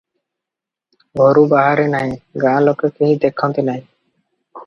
ଘରୁ ବାହାରେ ନାହିଁ, ଗାଁ ଲୋକେ କେହି ଦେଖନ୍ତିନାହିଁ ।